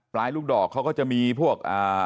ลูกดอกเขาก็จะมีพวก